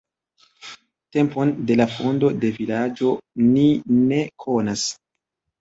Tempon de la fondo de vilaĝo ni ne konas.